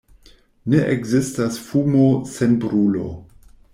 Ne ekzistas fumo sen brulo.